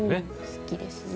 好きですね。